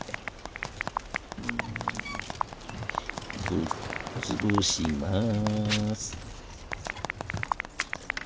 ぶっ潰します。